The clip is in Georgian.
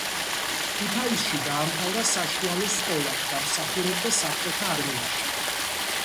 ქუთაისში დაამთავრა საშუალო სკოლა და მსახურობდა საბჭოთა არმიაში.